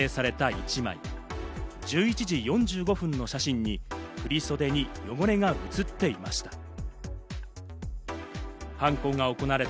１１時４５分の写真に振り袖の汚れが映っていました。